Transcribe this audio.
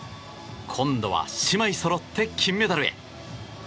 今度は姉妹そろって金メダルへ。